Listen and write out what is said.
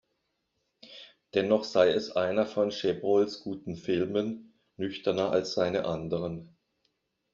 Dennoch sei es einer von Chabrols guten Filmen, nüchterner als seine anderen.